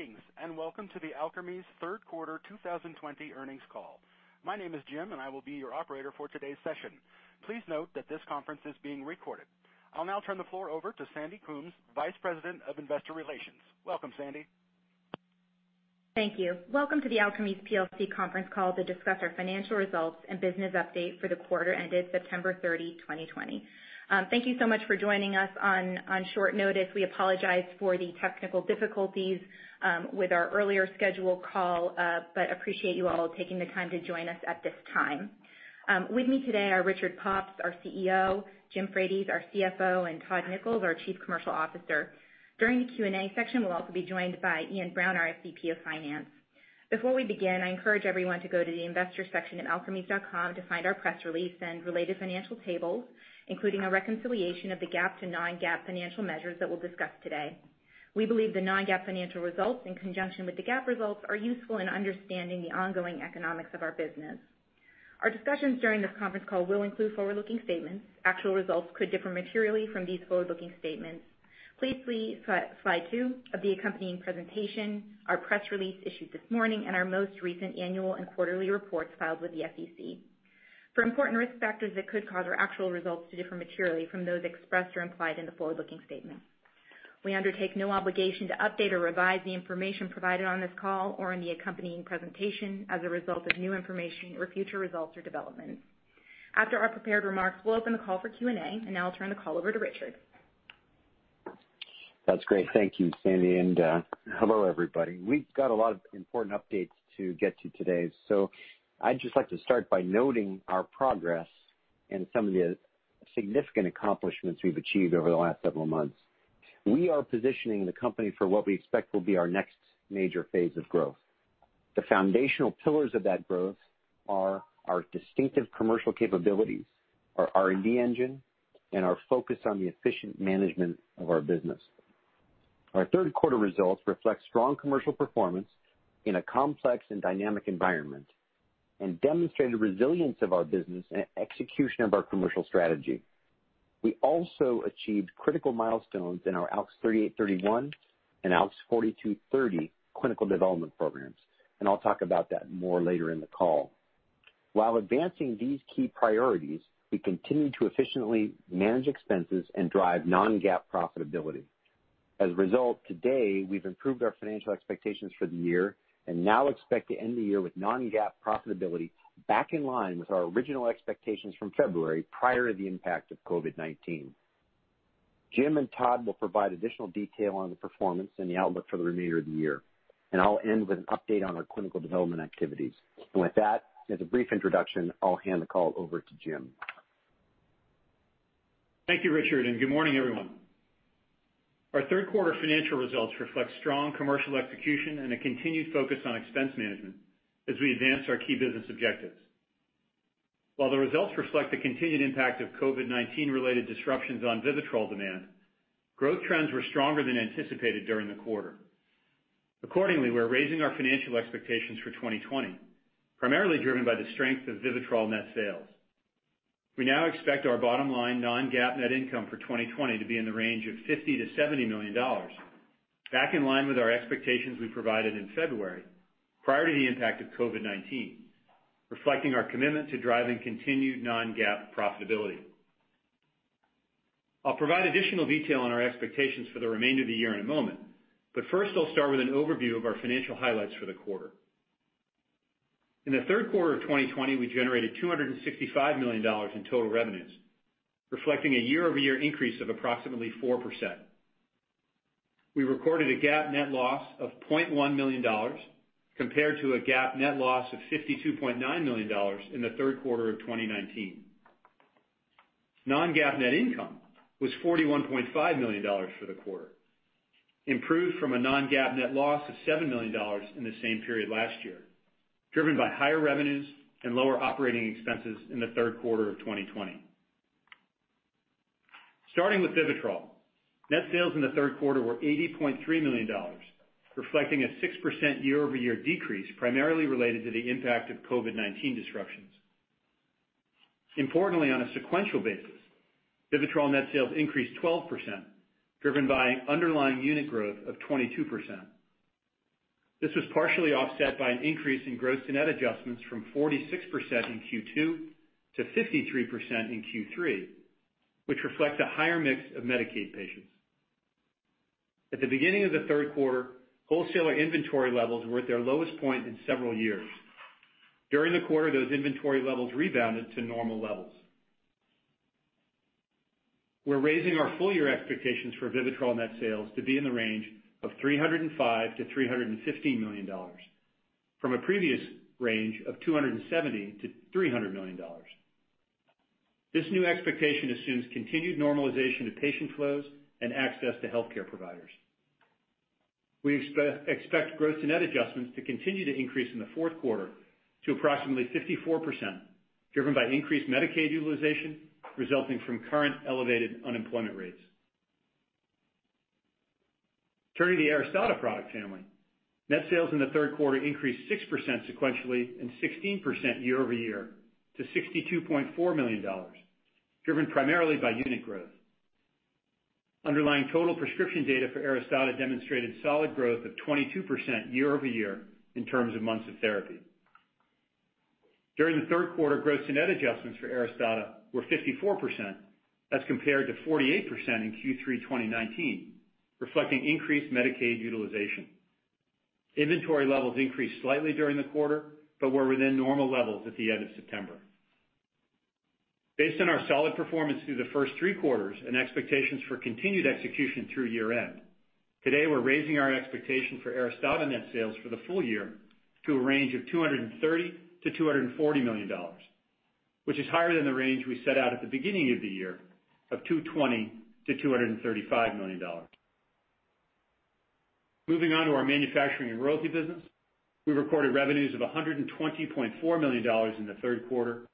Greetings, and welcome to the Alkermes Third Quarter 2020 Earnings Call. My name is Jim, and I will be your operator for today's session. Please note that this conference is being recorded. I'll now turn the floor over to Sandy Coombs, Vice President of Investor Relations. Welcome, Sandy. Thank you. Welcome to the Alkermes PLC conference call to discuss our financial results and business update for the quarter ended September 30, 2020. Thank you so much for joining us on short notice. We apologize for the technical difficulties with our earlier scheduled call, but appreciate you all taking the time to join us at this time. With me today are Richard Pops, our CEO, Jim Frates, our CFO, and Todd Nichols, our Chief Commercial Officer. During the Q&A section, we'll also be joined by Iain Brown, our SVP of Finance. Before we begin, I encourage everyone to go to the investor section at alkermes.com to find our press release and related financial tables, including a reconciliation of the GAAP to non-GAAP financial measures that we'll discuss today. We believe the non-GAAP financial results, in conjunction with the GAAP results, are useful in understanding the ongoing economics of our business. Our discussions during this conference call will include forward-looking statements. Actual results could differ materially from these forward-looking statements. Please see slide two of the accompanying presentation, our press release issued this morning, and our most recent annual and quarterly reports filed with the SEC for important risk factors that could cause our actual results to differ materially from those expressed or implied in the forward-looking statement. We undertake no obligation to update or revise the information provided on this call or in the accompanying presentation as a result of new information or future results or developments. After our prepared remarks, we'll open the call for Q&A, and now I'll turn the call over to Richard. That's great. Thank you, Sandy, and hello, everybody. We've got a lot of important updates to get to today, so I'd just like to start by noting our progress and some of the significant accomplishments we've achieved over the last several months. We are positioning the company for what we expect will be our next major phase of growth. The foundational pillars of that growth are our distinctive commercial capabilities, our R&D engine, and our focus on the efficient management of our business. Our third quarter results reflect strong commercial performance in a complex and dynamic environment and demonstrated resilience of our business and execution of our commercial strategy. We also achieved critical milestones in our ALKS 3831 and ALKS 4230 clinical development programs, and I'll talk about that more later in the call. While advancing these key priorities, we continue to efficiently manage expenses and drive non-GAAP profitability. As a result, today, we've improved our financial expectations for the year and now expect to end the year with non-GAAP profitability back in line with our original expectations from February, prior to the impact of COVID-19. Jim and Todd will provide additional detail on the performance and the outlook for the remainder of the year. I'll end with an update on our clinical development activities. With that as a brief introduction, I'll hand the call over to Jim. Thank you, Richard, and good morning, everyone. Our third quarter financial results reflect strong commercial execution and a continued focus on expense management as we advance our key business objectives. While the results reflect the continued impact of COVID-19 related disruptions on VIVITROL demand, growth trends were stronger than anticipated during the quarter. Accordingly, we're raising our financial expectations for 2020, primarily driven by the strength of VIVITROL net sales. We now expect our bottom-line non-GAAP net income for 2020 to be in the range of $50 million-$70 million, back in line with our expectations we provided in February, prior to the impact of COVID-19, reflecting our commitment to driving continued non-GAAP profitability. I'll provide additional detail on our expectations for the remainder of the year in a moment, but first, I'll start with an overview of our financial highlights for the quarter. In the third quarter of 2020, we generated $265 million in total revenues, reflecting a year-over-year increase of approximately 4%. We recorded a GAAP net loss of $0.1 million compared to a GAAP net loss of $52.9 million in the third quarter of 2019. Non-GAAP net income was $41.5 million for the quarter, improved from a non-GAAP net loss of $7 million in the same period last year, driven by higher revenues and lower operating expenses in the third quarter of 2020. Starting with VIVITROL, net sales in the third quarter were $80.3 million, reflecting a 6% year-over-year decrease, primarily related to the impact of COVID-19 disruptions. Importantly, on a sequential basis, VIVITROL net sales increased 12%, driven by underlying unit growth of 22%. This was partially offset by an increase in gross-to-net adjustments from 46% in Q2 to 53% in Q3, which reflects a higher mix of Medicaid patients. At the beginning of the third quarter, wholesaler inventory levels were at their lowest point in several years. During the quarter, those inventory levels rebounded to normal levels. We're raising our full-year expectations for VIVITROL net sales to be in the range of $305 million-$315 million from a previous range of $270 million-$300 million. This new expectation assumes continued normalization of patient flows and access to healthcare providers. We expect gross-to-net adjustments to continue to increase in the fourth quarter to approximately 54%, driven by increased Medicaid utilization resulting from current elevated unemployment rates. Turning to the ARISTADA product family. Net sales in the third quarter increased 6% sequentially and 16% year-over-year to $62.4 million, driven primarily by unit growth. Underlying total prescription data for ARISTADA demonstrated solid growth of 22% year-over-year in terms of months of therapy. During the third quarter, gross to net adjustments for ARISTADA were 54%, as compared to 48% in Q3 2019, reflecting increased Medicaid utilization. Inventory levels increased slightly during the quarter but were within normal levels at the end of September. Based on our solid performance through the first three quarters and expectations for continued execution through year-end, today we're raising our expectation for ARISTADA net sales for the full year to a range of $230 million-$240 million, which is higher than the range we set out at the beginning of the year of $220 million-$235 million. Moving on to our manufacturing and royalty business, we recorded revenues of $120.4 million in the third quarter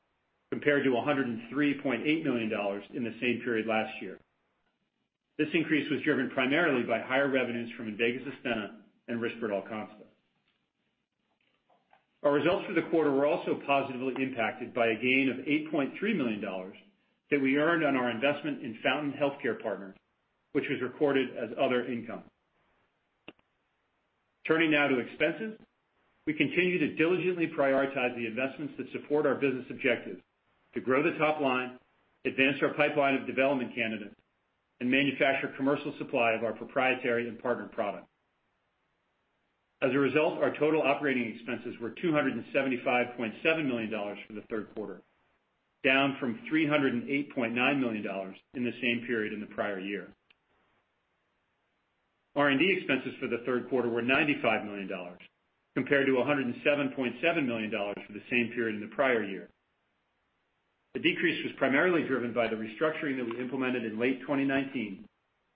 compared to $103.8 million in the same period last year. This increase was driven primarily by higher revenues from INVEGA SUSTENNA and RISPERDAL CONSTA. Our results for the quarter were also positively impacted by a gain of $8.3 million that we earned on our investment in Fountain Healthcare Partners, which was recorded as other income. Turning now to expenses, we continue to diligently prioritize the investments that support our business objectives to grow the top line, advance our pipeline of development candidates and manufacture commercial supply of our proprietary and partner products. As a result, our total operating expenses were $275.7 million for the third quarter, down from $308.9 million in the same period in the prior year. R&D expenses for the third quarter were $95 million compared to $107.7 million for the same period in the prior year. The decrease was primarily driven by the restructuring that we implemented in late 2019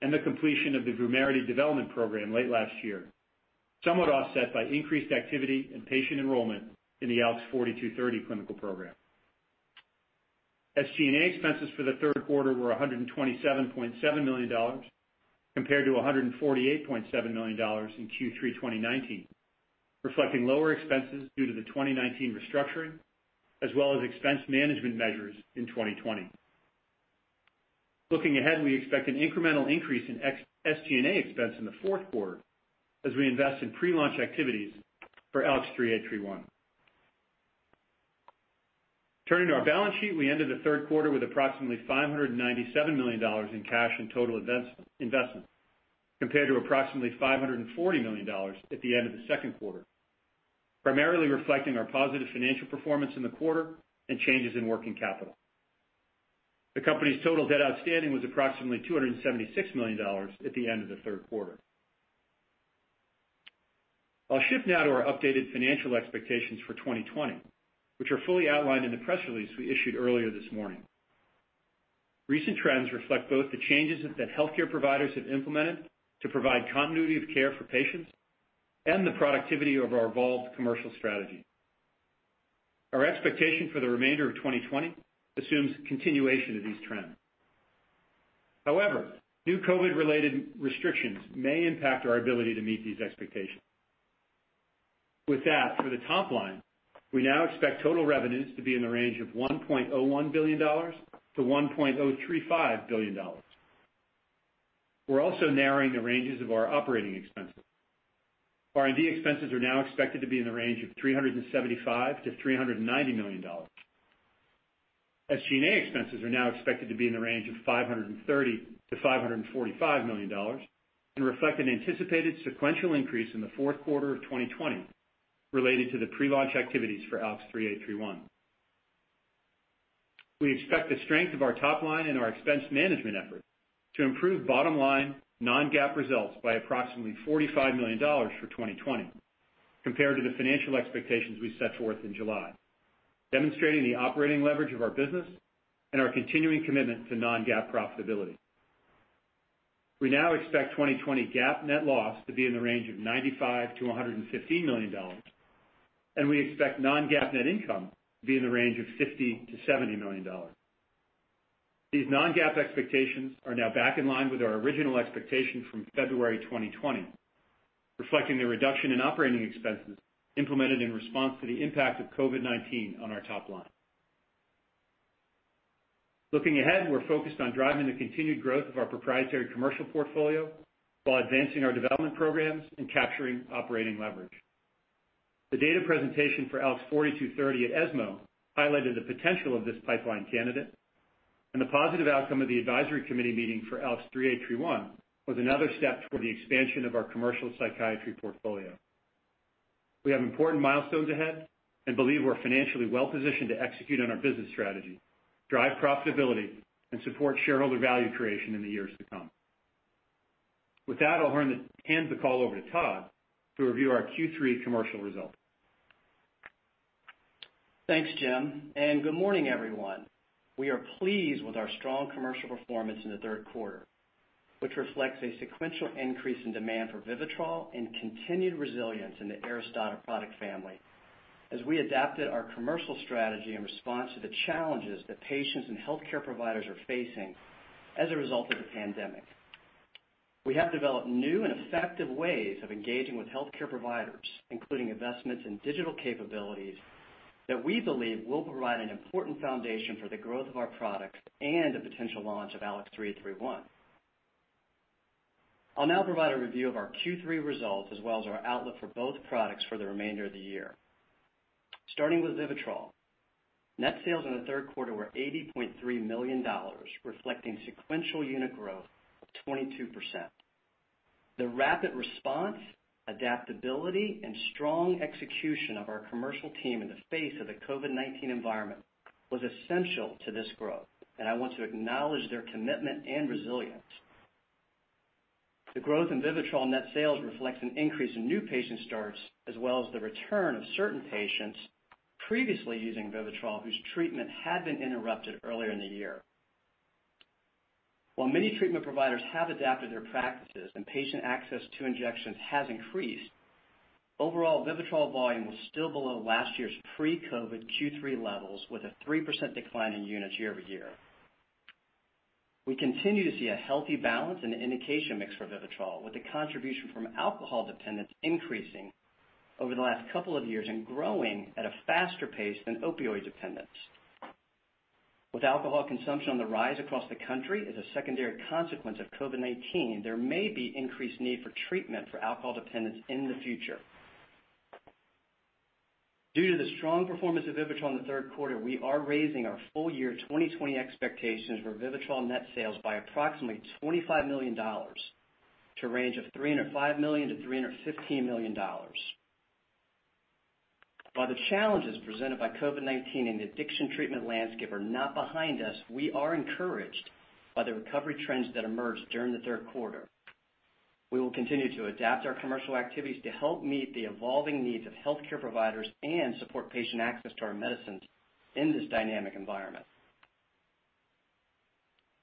and the completion of the VUMERITY development program late last year, somewhat offset by increased activity and patient enrollment in the ALKS 4230 clinical program. SG&A expenses for the third quarter were $127.7 million compared to $148.7 million in Q3 2019, reflecting lower expenses due to the 2019 restructuring as well as expense management measures in 2020. Looking ahead, we expect an incremental increase in SG&A expense in the fourth quarter as we invest in pre-launch activities for ALKS 3831. Turning to our balance sheet, we ended the third quarter with approximately $597 million in cash and total investments, compared to approximately $540 million at the end of the second quarter, primarily reflecting our positive financial performance in the quarter and changes in working capital. The company's total debt outstanding was approximately $276 million at the end of the third quarter. I'll shift now to our updated financial expectations for 2020, which are fully outlined in the press release we issued earlier this morning. Recent trends reflect both the changes that healthcare providers have implemented to provide continuity of care for patients and the productivity of our evolved commercial strategy. Our expectation for the remainder of 2020 assumes continuation of these trends. New COVID-related restrictions may impact our ability to meet these expectations. With that, for the top line, we now expect total revenues to be in the range of $1.01 billion-$1.035 billion. We're also narrowing the ranges of our operating expenses. R&D expenses are now expected to be in the range of $375 million-$390 million. SG&A expenses are now expected to be in the range of $530 million-$545 million and reflect an anticipated sequential increase in the fourth quarter of 2020 related to the pre-launch activities for ALKS 3831. We expect the strength of our top line and our expense management efforts to improve bottom-line non-GAAP results by approximately $45 million for 2020 compared to the financial expectations we set forth in July, demonstrating the operating leverage of our business and our continuing commitment to non-GAAP profitability. We now expect 2020 GAAP net loss to be in the range of $95 million-$115 million, and we expect non-GAAP net income to be in the range of $50 million-$70 million. These non-GAAP expectations are now back in line with our original expectation from February 2020, reflecting the reduction in operating expenses implemented in response to the impact of COVID-19 on our top line. Looking ahead, we're focused on driving the continued growth of our proprietary commercial portfolio while advancing our development programs and capturing operating leverage. The data presentation for ALKS 4230 at ESMO highlighted the potential of this pipeline candidate and the positive outcome of the advisory committee meeting for ALKS 3831 was another step toward the expansion of our commercial psychiatry portfolio. We have important milestones ahead and believe we're financially well positioned to execute on our business strategy, drive profitability, and support shareholder value creation in the years to come. With that, I'll hand the call over to Todd to review our Q3 commercial results. Thanks, Jim, and good morning, everyone. We are pleased with our strong commercial performance in the third quarter, which reflects a sequential increase in demand for VIVITROL and continued resilience in the ARISTADA product family as we adapted our commercial strategy in response to the challenges that patients and healthcare providers are facing as a result of the pandemic. We have developed new and effective ways of engaging with healthcare providers, including investments in digital capabilities that we believe will provide an important foundation for the growth of our products and the potential launch of ALKS 3831. I'll now provide a review of our Q3 results as well as our outlook for both products for the remainder of the year. Starting with VIVITROL. Net sales in the third quarter were $80.3 million, reflecting sequential unit growth of 22%. The rapid response, adaptability, and strong execution of our commercial team in the face of the COVID-19 environment was essential to this growth, and I want to acknowledge their commitment and resilience. The growth in VIVITROL net sales reflects an increase in new patient starts, as well as the return of certain patients previously using VIVITROL, whose treatment had been interrupted earlier in the year. While many treatment providers have adapted their practices and patient access to injections has increased, overall VIVITROL volume was still below last year's pre-COVID Q3 levels, with a 3% decline in units year-over-year. We continue to see a healthy balance in the indication mix for VIVITROL, with the contribution from alcohol dependence increasing over the last couple of years and growing at a faster pace than opioid dependence. With alcohol consumption on the rise across the country as a secondary consequence of COVID-19, there may be increased need for treatment for alcohol dependence in the future. Due to the strong performance of VIVITROL in the third quarter, we are raising our full year 2020 expectations for VIVITROL net sales by approximately $25 million to a range of $305 million-$315 million. While the challenges presented by COVID-19 in the addiction treatment landscape are not behind us, we are encouraged by the recovery trends that emerged during the third quarter. We will continue to adapt our commercial activities to help meet the evolving needs of healthcare providers and support patient access to our medicines in this dynamic environment.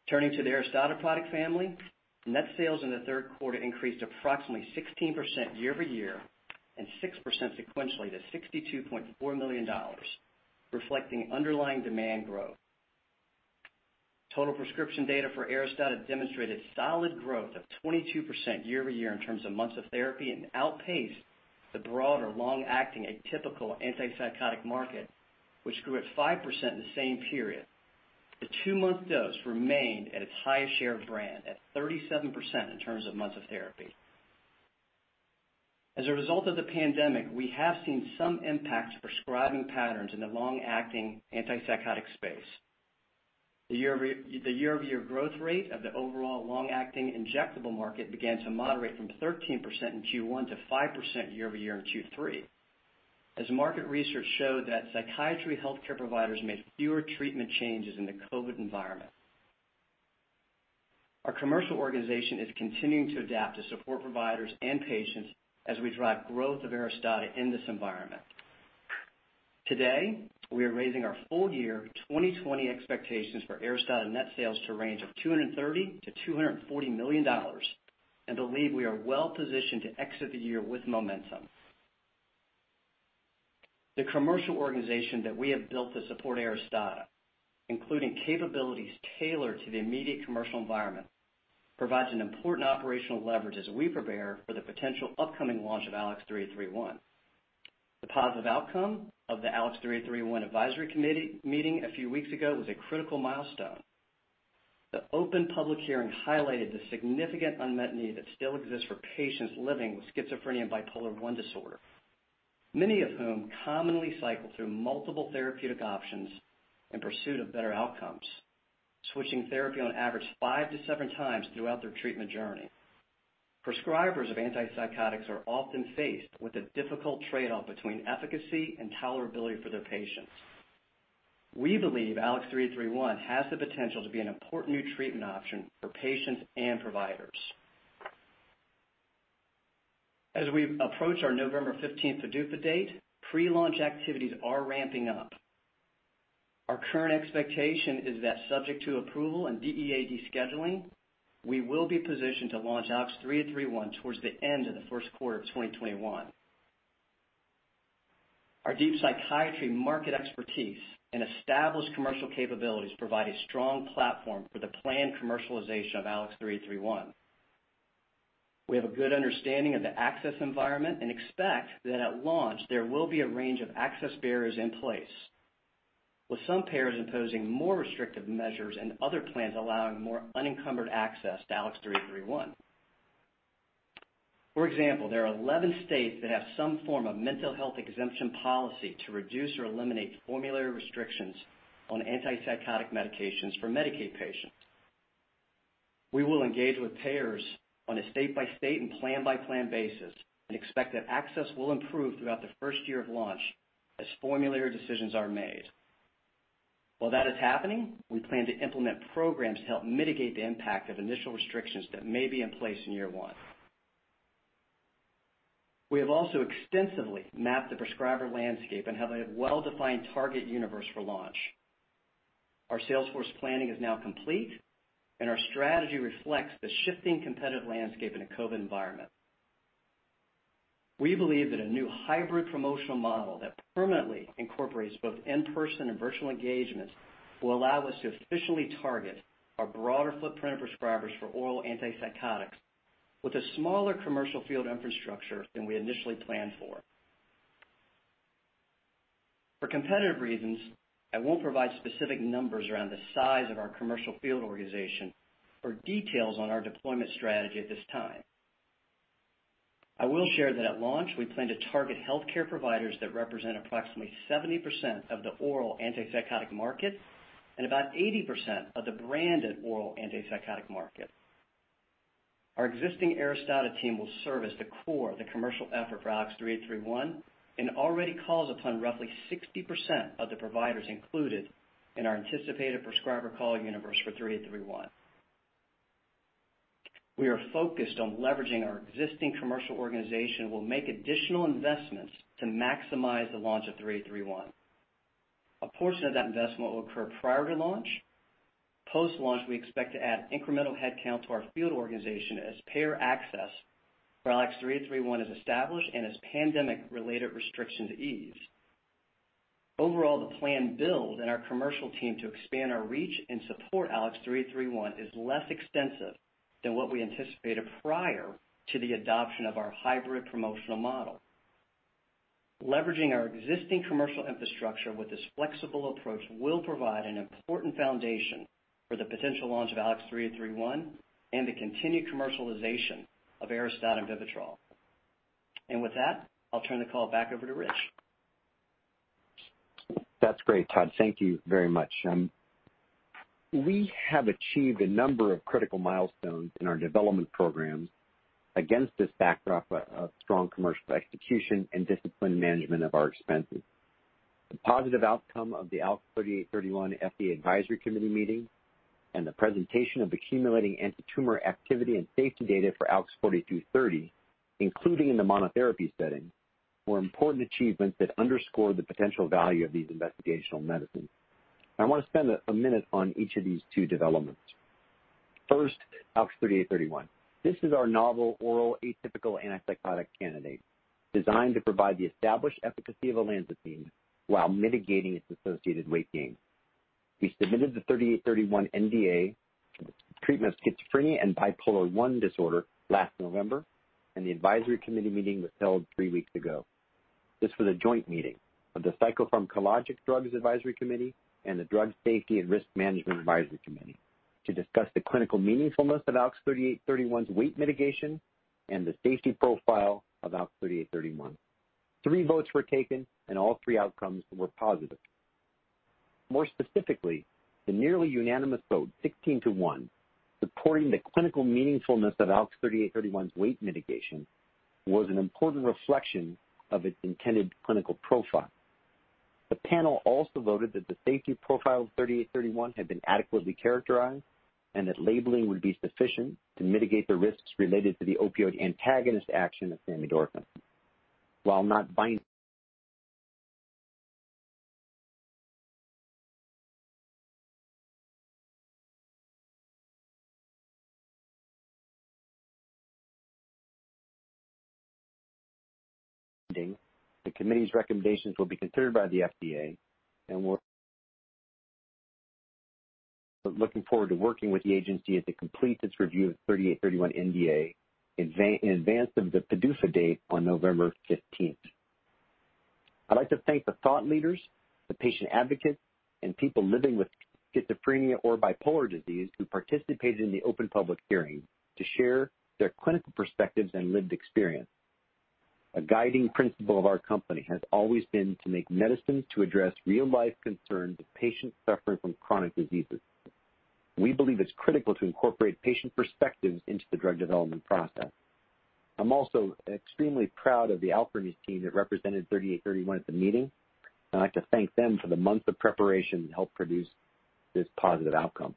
Turning to the ARISTADA product family. Net sales in the third quarter increased approximately 16% year-over-year and 6% sequentially to $62.4 million, reflecting underlying demand growth. Total prescription data for ARISTADA demonstrated solid growth of 22% year-over-year in terms of months of therapy and outpaced the broader long-acting atypical antipsychotic market, which grew at 5% in the same period. The two-month dose remained at its highest share of brand at 37% in terms of months of therapy. As a result of the pandemic, we have seen some impact to prescribing patterns in the long-acting antipsychotic space. The year-over-year growth rate of the overall long-acting injectable market began to moderate from 13% in Q1 to 5% year-over-year in Q3. As market research showed that psychiatry healthcare providers made fewer treatment changes in the COVID environment. Our commercial organization is continuing to adapt to support providers and patients as we drive growth of ARISTADA in this environment. Today, we are raising our full year 2020 expectations for ARISTADA net sales to range of $230 million-$240 million and believe we are well positioned to exit the year with momentum. The commercial organization that we have built to support ARISTADA, including capabilities tailored to the immediate commercial environment, provides an important operational leverage as we prepare for the potential upcoming launch of ALKS 3831. The positive outcome of the ALKS 3831 advisory committee meeting a few weeks ago was a critical milestone. The open public hearing highlighted the significant unmet need that still exists for patients living with schizophrenia and bipolar I disorder, many of whom commonly cycle through multiple therapeutic options in pursuit of better outcomes, switching therapy on average 5x-7x throughout their treatment journey. Prescribers of antipsychotics are often faced with a difficult trade-off between efficacy and tolerability for their patients. We believe ALKS 3831 has the potential to be an important new treatment option for patients and providers. As we approach our November 15th PDUFA date, pre-launch activities are ramping up. Our current expectation is that subject to approval and DEA descheduling, we will be positioned to launch ALKS 3831 towards the end of the first quarter of 2021. Our deep psychiatry market expertise and established commercial capabilities provide a strong platform for the planned commercialization of ALKS 3831. We have a good understanding of the access environment and expect that at launch, there will be a range of access barriers in place, with some payers imposing more restrictive measures and other plans allowing more unencumbered access to ALKS 3831. For example, there are 11 states that have some form of mental health exemption policy to reduce or eliminate formulary restrictions on antipsychotic medications for Medicaid patients. We will engage with payers on a state-by-state and plan-by-plan basis and expect that access will improve throughout the first year of launch as formulary decisions are made. While that is happening, we plan to implement programs to help mitigate the impact of initial restrictions that may be in place in year one. We have also extensively mapped the prescriber landscape and have a well-defined target universe for launch. Our sales force planning is now complete, and our strategy reflects the shifting competitive landscape in a COVID environment. We believe that a new hybrid promotional model that permanently incorporates both in-person and virtual engagements will allow us to efficiently target our broader footprint of prescribers for oral antipsychotics with a smaller commercial field infrastructure than we initially planned for. For competitive reasons, I won't provide specific numbers around the size of our commercial field organization or details on our deployment strategy at this time. I will share that at launch, we plan to target healthcare providers that represent approximately 70% of the oral antipsychotic market and about 80% of the branded oral antipsychotic market. Our existing ARISTADA team will serve as the core of the commercial effort for ALKS 3831 and already calls upon roughly 60% of the providers included in our anticipated prescriber call universe for 3831. We are focused on leveraging our existing commercial organization. We'll make additional investments to maximize the launch of 3831. A portion of that investment will occur prior to launch. Post-launch, we expect to add incremental headcount to our field organization as payer access for ALKS 3831 is established and as pandemic-related restrictions ease. Overall, the planned build in our commercial team to expand our reach and support ALKS 3831 is less extensive than what we anticipated prior to the adoption of our hybrid promotional model. Leveraging our existing commercial infrastructure with this flexible approach will provide an important foundation for the potential launch of ALKS 3831 and the continued commercialization of ARISTADA and VIVITROL. With that, I'll turn the call back over to Rich. That's great, Todd. Thank you very much. We have achieved a number of critical milestones in our development programs against this backdrop of strong commercial execution and disciplined management of our expenses. The positive outcome of the ALKS 3831 FDA advisory committee meeting and the presentation of accumulating antitumor activity and safety data for ALKS 4230, including in the monotherapy setting, were important achievements that underscore the potential value of these investigational medicines. I want to spend a minute on each of these two developments. First, ALKS 3831. This is our novel oral atypical antipsychotic candidate designed to provide the established efficacy of olanzapine while mitigating its associated weight gain. We submitted the 3831 NDA for the treatment of schizophrenia and bipolar I disorder last November, and the advisory committee meeting was held three weeks ago. This was a joint meeting of the Psychopharmacologic Drugs Advisory Committee and the Drug Safety and Risk Management Advisory Committee to discuss the clinical meaningfulness of ALKS 3831's weight mitigation and the safety profile of ALKS 3831. Three votes were taken, and all three outcomes were positive. More specifically, the nearly unanimous vote, 16:1, supporting the clinical meaningfulness of ALKS 3831's weight mitigation was an important reflection of its intended clinical profile. The panel also voted that the safety profile of 3831 had been adequately characterized and that labeling would be sufficient to mitigate the risks related to the opioid antagonist action of samidorphan. While not binding, the committee's recommendations will be considered by the FDA, and we're looking forward to working with the agency as it completes its review of the 3831 NDA in advance of the PDUFA date on November 15th. I'd like to thank the thought leaders, the patient advocates, and people living with schizophrenia or bipolar disease who participated in the open public hearing to share their clinical perspectives and lived experience. A guiding principle of our company has always been to make medicines to address real-life concerns of patients suffering from chronic diseases. We believe it's critical to incorporate patient perspectives into the drug development process. I'm also extremely proud of the Alkermes team that represented 3831 at the meeting. I'd like to thank them for the months of preparation that helped produce this positive outcome.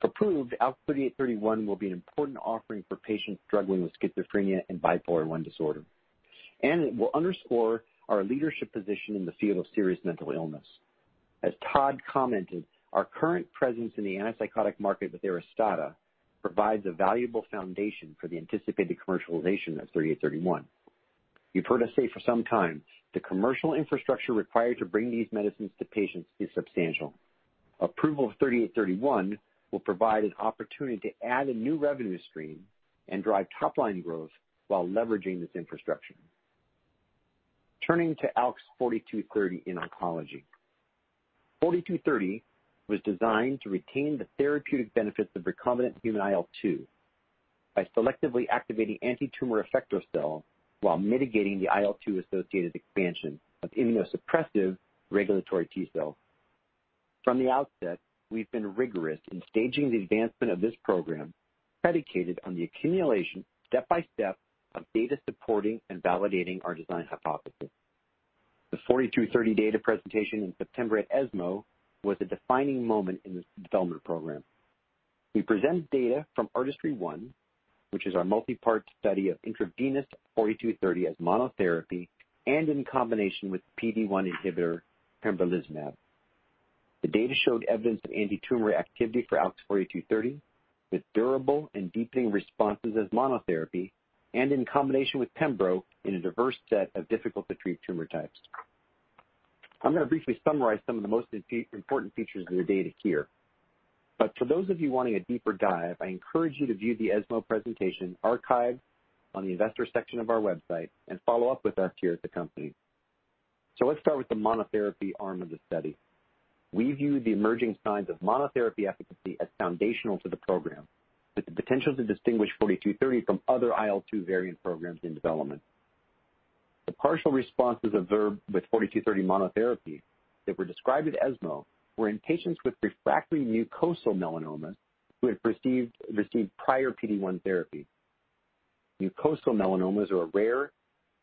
If approved, ALKS 3831 will be an important offering for patients struggling with schizophrenia and bipolar I disorder, and it will underscore our leadership position in the field of serious mental illness. As Todd commented, our current presence in the antipsychotic market with ARISTADA provides a valuable foundation for the anticipated commercialization of 3831. You've heard us say for some time the commercial infrastructure required to bring these medicines to patients is substantial. Approval of 3831 will provide an opportunity to add a new revenue stream and drive top-line growth while leveraging this infrastructure. Turning to ALKS 4230 in oncology. 4230 was designed to retain the therapeutic benefits of recombinant human IL-2 by selectively activating antitumor effector cells while mitigating the IL-2-associated expansion of immunosuppressive regulatory T cells. From the outset, we've been rigorous in staging the advancement of this program, predicated on the accumulation, step by step, of data supporting and validating our design hypothesis. The 4230 data presentation in September at ESMO was a defining moment in this development program. We presented data from ARTISTRY-1, which is our multi-part study of intravenous ALKS 4230 as monotherapy and in combination with PD-1 inhibitor pembrolizumab. The data showed evidence of antitumor activity for ALKS 4230 with durable and deepening responses as monotherapy and in combination with pembro in a diverse set of difficult-to-treat tumor types. I'm going to briefly summarize some of the most important features of the data here. For those of you wanting a deeper dive, I encourage you to view the ESMO presentation archived on the investor section of our website and follow up with us here at the company. Let's start with the monotherapy arm of the study. We view the emerging signs of monotherapy efficacy as foundational to the program, with the potential to distinguish ALKS 4230 from other IL-2 variant programs in development. The partial responses observed with 4230 monotherapy that were described at ESMO were in patients with refractory mucosal melanomas who had received prior PD-1 therapy. Mucosal melanomas are a rare,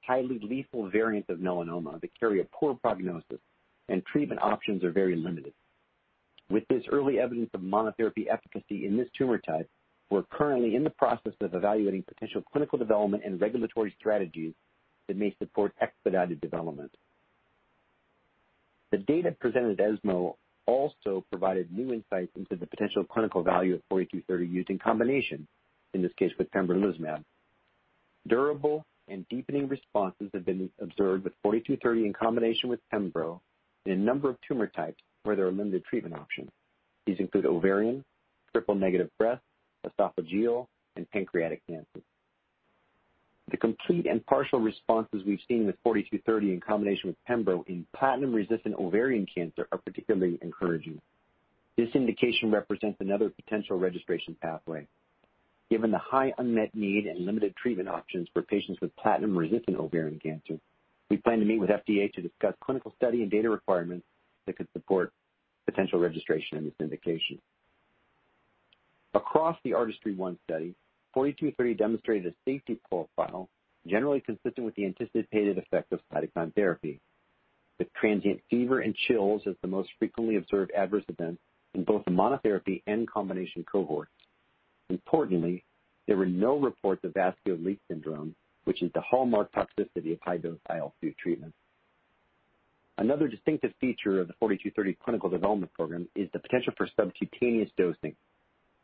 highly lethal variant of melanoma that carry a poor prognosis, and treatment options are very limited. With this early evidence of monotherapy efficacy in this tumor type, we're currently in the process of evaluating potential clinical development and regulatory strategies that may support expedited development. The data presented at ESMO also provided new insight into the potential clinical value of 4230 used in combination, in this case, with pembrolizumab. Durable and deepening responses have been observed with 4230 in combination with pembro in a number of tumor types where there are limited treatment options. These include ovarian, triple-negative breast, esophageal, and pancreatic cancer. The complete and partial responses we've seen with 4230 in combination with pembro in platinum-resistant ovarian cancer are particularly encouraging. This indication represents another potential registration pathway. Given the high unmet need and limited treatment options for patients with platinum-resistant ovarian cancer, we plan to meet with FDA to discuss clinical study and data requirements that could support potential registration in this indication. Across the ARTISTRY-1 study, 4230 demonstrated a safety profile generally consistent with the anticipated effect of cytokine therapy, with transient fever and chills as the most frequently observed adverse events in both the monotherapy and combination cohorts. Importantly, there were no reports of vascular leak syndrome, which is the hallmark toxicity of high-dose IL-2 treatment. Another distinctive feature of the 4230 clinical development program is the potential for subcutaneous dosing.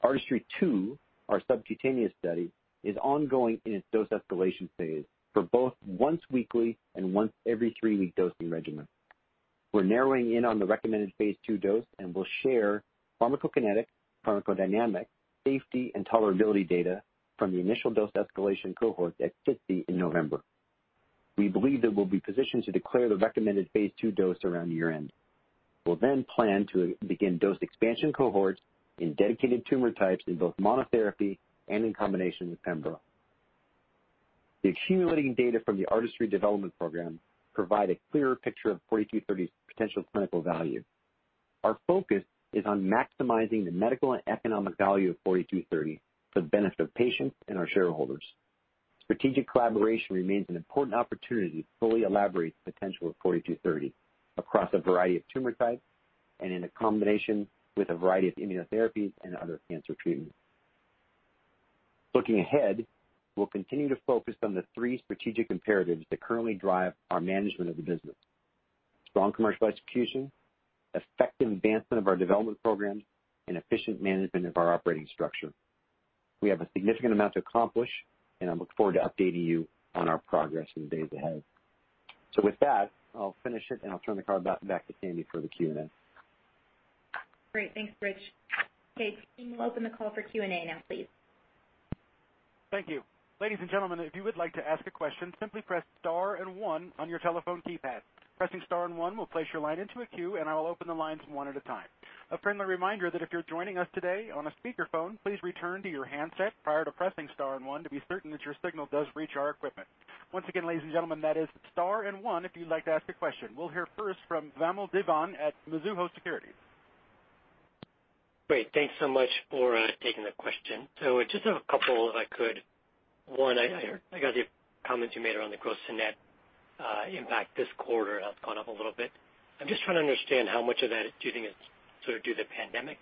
ARTISTRY-2, our subcutaneous study, is ongoing in its dose escalation phase for both once-weekly and once every three-week dosing regimen. We're narrowing in on the recommended phase II dose and will share pharmacokinetic, pharmacodynamic, safety, and tolerability data from the initial dose escalation cohort at SITC in November. We believe that we'll be positioned to declare the recommended Phase II dose around year-end. We'll plan to begin dose expansion cohorts in dedicated tumor types in both monotherapy and in combination with pembro. The accumulating data from the ARTISTRY development program provide a clearer picture of 4230's potential clinical value. Our focus is on maximizing the medical and economic value of 4230 for the benefit of patients and our shareholders. Strategic collaboration remains an important opportunity to fully elaborate the potential of ALKS 4230 across a variety of tumor types and in combination with a variety of immunotherapies and other cancer treatments. Looking ahead, we'll continue to focus on the three strategic imperatives that currently drive our management of the business. Strong commercial execution, effective advancement of our development programs, and efficient management of our operating structure. I look forward to updating you on our progress in the days ahead. With that, I'll finish it and I'll turn the call back to Sandy for the Q&A. Great. Thanks, Rich. Okay. We'll open the call for Q&A now, please. Thank you. Ladies and gentlemen, if you would like to ask a question, simply press star and one on your telephone keypad. Pressing star and one will place your line into a queue, and I will open the lines one at a time. A friendly reminder that if you're joining us today on a speakerphone, please return to your handset prior to pressing star and one to be certain that your signal does reach our equipment. Once again, ladies and gentlemen, that is star and one if you'd like to ask a question. We'll hear first from Vamil Divan at Mizuho Securities. Great. Thanks so much for taking the question. Just a couple, if I could. One, I got the comments you made around the gross to net impact this quarter has gone up a little bit. I'm just trying to understand how much of that do you think is due to the pandemic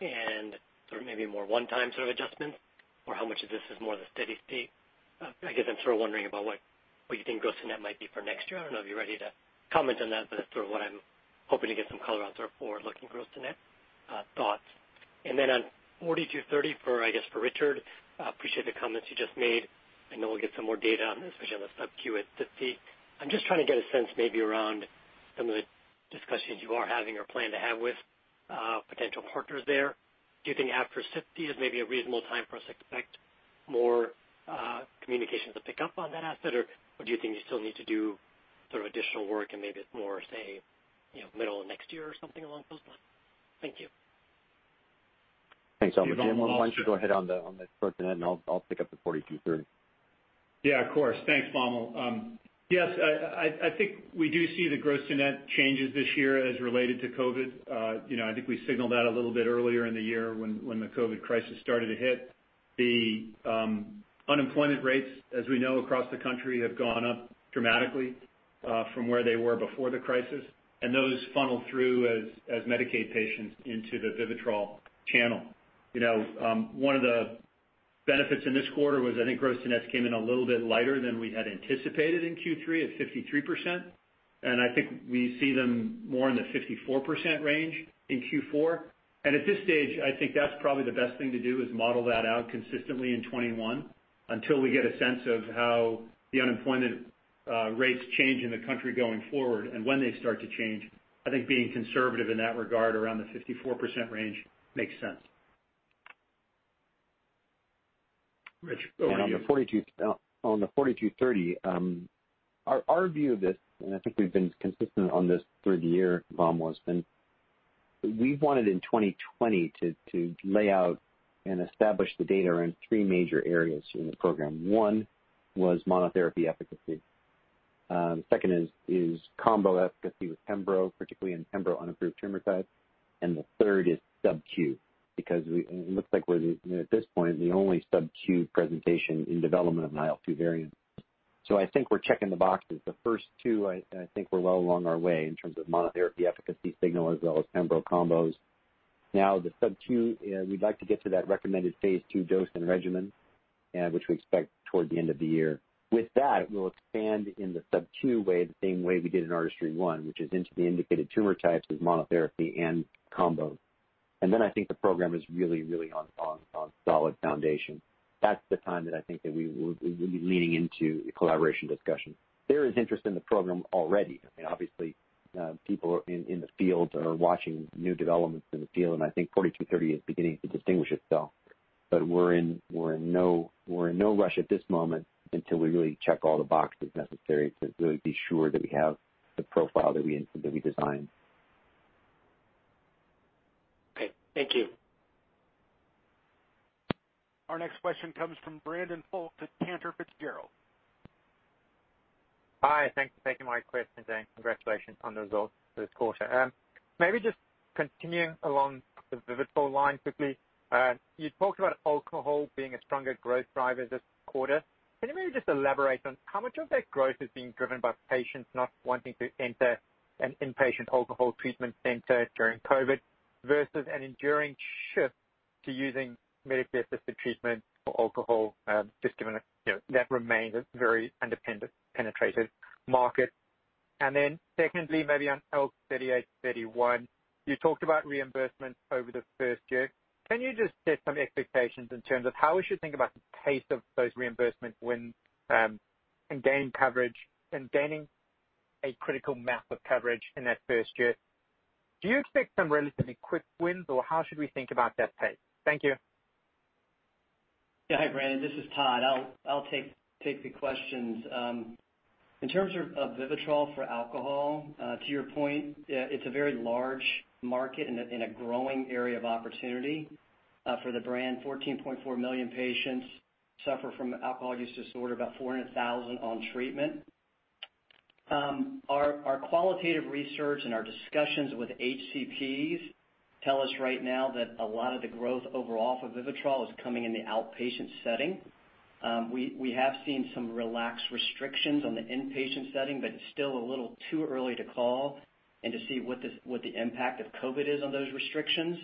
and sort of maybe more one-time sort of adjustments? How much of this is more the steady state? I guess I'm sort of wondering about what you think gross to net might be for next year. I don't know if you're ready to comment on that, but that's sort of what I'm hoping to get some color on sort of forward-looking gross to net thoughts. Then on 4230, I guess for Richard, appreciate the comments you just made. I know we'll get some more data on this, especially on the subcu at SITC. I'm just trying to get a sense maybe around some of the discussions you are having or plan to have with potential partners there. Do you think after SITC is maybe a reasonable time for us to expect more communications to pick up on that asset? Do you think you still need to do sort of additional work and maybe it's more, say, middle of next year or something along those lines? Thank you. Thanks, Vamil. Jim, why don't you go ahead on the gross to net, and I'll pick up the 4230. Yeah, of course. Thanks, Vamil. Yes, I think we do see the gross to net changes this year as related to COVID. I think we signaled that a little bit earlier in the year when the COVID crisis started to hit. The unemployment rates, as we know across the country, have gone up dramatically from where they were before the crisis, and those funnel through as Medicaid patients into the VIVITROL channel. One of the benefits in this quarter I think gross nets came in a little bit lighter than we had anticipated in Q3 at 53%. I think we see them more in the 54% range in Q4. At this stage, I think that's probably the best thing to do, is model that out consistently in 2021 until we get a sense of how the unemployment rates change in the country going forward and when they start to change. I think being conservative in that regard around the 54% range makes sense. Rich, over to you. On the 4230, our view of this, and I think we've been consistent on this through the year, Vamil has been, we've wanted in 2020 to lay out and establish the data around three major areas in the program. One was monotherapy efficacy. Second is combo efficacy with pembro, particularly in pembro unapproved tumor types, and the third is subQ, because it looks like we're, at this point, the only subQ presentation in development of an IL-2 variant. I think we're checking the boxes. The first two, I think we're well along our way in terms of monotherapy efficacy signal as well as pembro combos. Now the subQ, we'd like to get to that recommended phase II dose and regimen, which we expect toward the end of the year. With that, we'll expand in the subQ way, the same way we did in ARTISTRY-1, which is into the indicated tumor types with monotherapy and combo. Then I think the program is really on solid foundation. That's the time that I think that we will be leaning into collaboration discussion. There is interest in the program already. Obviously, people in the field are watching new developments in the field, I think 4230 is beginning to distinguish itself. We're in no rush at this moment until we really check all the boxes necessary to really be sure that we have the profile that we designed. Okay, thank you. Our next question comes from Brandon Folkes at Cantor Fitzgerald. Hi. Thanks for taking my question today, and congratulations on the results for this quarter. Maybe just continuing along the VIVITROL line quickly. You talked about alcohol being a stronger growth driver this quarter. Can you maybe just elaborate on how much of that growth is being driven by patients not wanting to enter an inpatient alcohol treatment center during COVID versus an enduring shift to using medically assisted treatment for alcohol, just given that remains a very under-penetrated market. Secondly, maybe on ALKS 3831, you talked about reimbursement over the first year. Can you just set some expectations in terms of how we should think about the pace of those reimbursements when gaining coverage and gaining a critical mass of coverage in that first year? Do you expect some relatively quick wins, or how should we think about that pace? Thank you. Yeah. Hi, Brandon. This is Todd. I'll take the questions. In terms of VIVITROL for alcohol, to your point, it's a very large market and a growing area of opportunity. For the brand, 14.4 million patients suffer from alcohol use disorder, about 400,000 on treatment. Our qualitative research and our discussions with HCPs tell us right now that a lot of the growth overall for VIVITROL is coming in the outpatient setting. We have seen some relaxed restrictions on the inpatient setting, but it's still a little too early to call and to see what the impact of COVID is on those restrictions.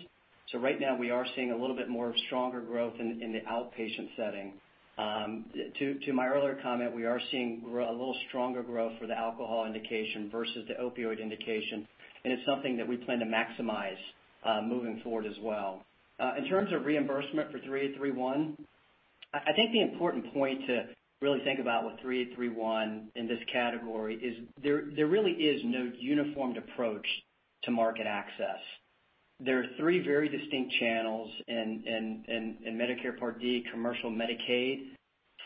Right now, we are seeing a little bit more stronger growth in the outpatient setting. To my earlier comment, we are seeing a little stronger growth for the alcohol indication versus the opioid indication, and it's something that we plan to maximize moving forward as well. In terms of reimbursement for 3831, I think the important point to really think about with 3831 in this category is there really is no uniform approach to market access. There are three very distinct channels in Medicare Part D, commercial Medicaid.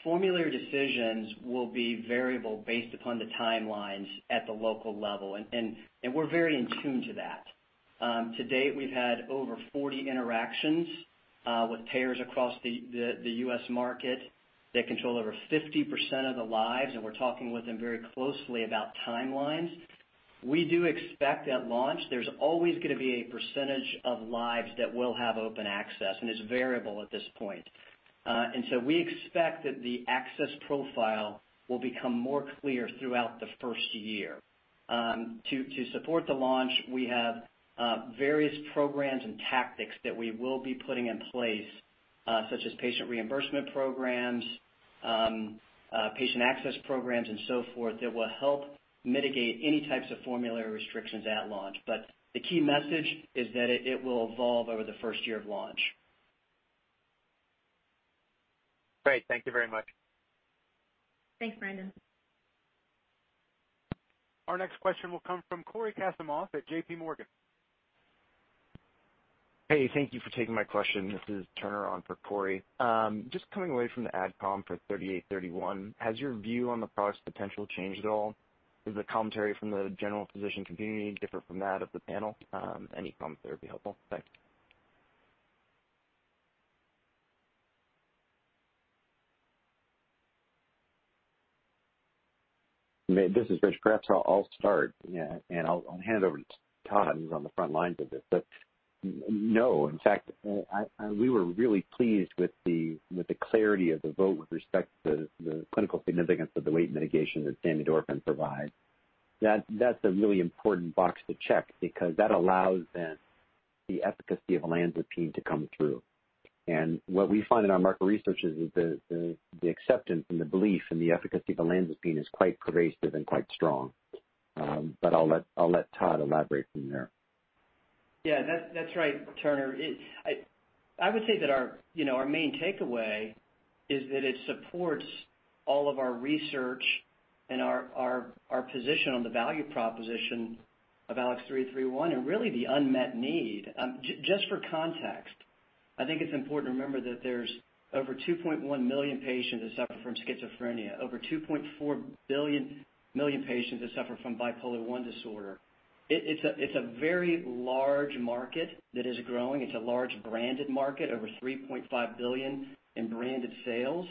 Formulary decisions will be variable based upon the timelines at the local level, we're very in tune to that. To date, we've had over 40 interactions with payers across the U.S. market that control over 50% of the lives, and we're talking with them very closely about timelines. We do expect at launch, there's always going to be a percentage of lives that will have open access, and it's variable at this point. We expect that the access profile will become more clear throughout the first year. To support the launch, we have various programs and tactics that we will be putting in place such as patient reimbursement programs, patient access programs, and so forth, that will help mitigate any types of formulary restrictions at launch. The key message is that it will evolve over the first year of launch. Great. Thank you very much. Thanks, Brandon. Our next question will come from Cory Kasimov at J.P. Morgan. Hey, thank you for taking my question. This is Turner on for Cory. Just coming away from the AdCom for 3831, has your view on the product's potential changed at all? Is the commentary from the general physician community different from that of the panel? Any commentary would be helpful. Thanks. This is Rich. Perhaps I'll start, and I'll hand it over to Todd, who's on the front lines of this. No. In fact, we were really pleased with the clarity of the vote with respect to the clinical significance of the weight mitigation that samidorphan provides. That's a really important box to check because that allows then the efficacy of olanzapine to come through. What we find in our market research is that the acceptance and the belief in the efficacy of olanzapine is quite pervasive and quite strong. I'll let Todd elaborate from there. Yeah, that's right, Turner. I would say that our main takeaway is that it supports all of our research and our position on the value proposition of ALKS 3831 and really the unmet need. Just for context, I think it's important to remember that there's over 2.1 million patients that suffer from schizophrenia, over 2.4 million patients that suffer from bipolar I disorder. It's a very large market that is growing. It's a large branded market, over $3.5 billion in branded sales.